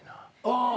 ああ。